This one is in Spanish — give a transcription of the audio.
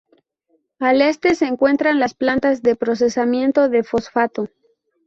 Al este se encuentran las plantas de procesamiento de fosfato.